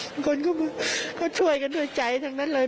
บางคนก็ช่วยกันด้วยใจทั้งนั้นเลย